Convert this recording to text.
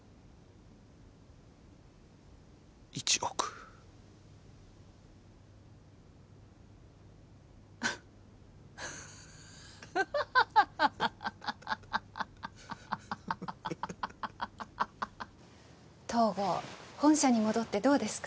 １億ハハハハ東郷本社に戻ってどうですか？